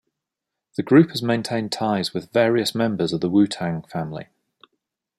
The group has maintained ties with various members of the Wu-Tang Family.